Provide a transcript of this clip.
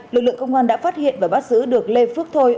lực lượng công an đã phát hiện và bắt giữ được lê phước thôi